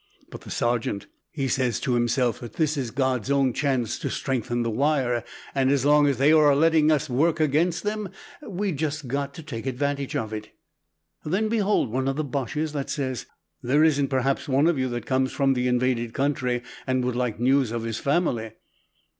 But the sergeant he says to himself that this is God's own chance to strengthen the wire, and as long as they were letting us work against them, we'd just got to take advantage of it. "Then behold one of the Boches that says, 'There isn't perhaps one of you that comes from the invaded country and would like news of his family?'